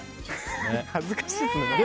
恥ずかしいですね。